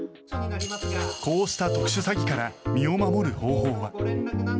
こうした特殊詐欺から身を守る方法は。